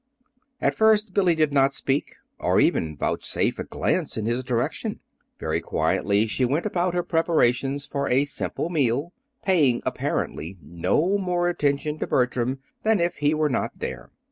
At first Billy did not speak, or even vouchsafe a glance in his direction. Very quietly she went about her preparations for a simple meal, paying apparently no more attention to Bertram than as if he were not there.